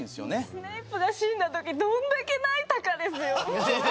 スネイプが死んだときどんだけ泣いたかですよ。